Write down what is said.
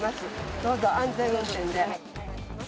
どうぞ安全運転で。